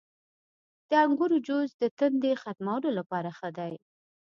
• د انګورو جوس د تندې ختمولو لپاره ښه دی.